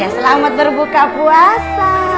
selamat berbuka puasa